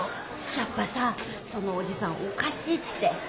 やっぱさそのおじさんおかしいって。